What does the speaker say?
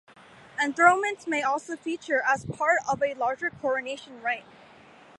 Enthronements may also feature as part of a larger coronation rite.